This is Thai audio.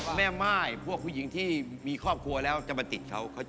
แม่ม่ายพวกผู้หญิงที่มีครอบครัวแล้วจะมาติดเขา